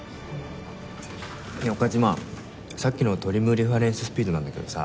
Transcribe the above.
ねえ岡島さっきのトリム・リファレンス・スピードなんだけどさ。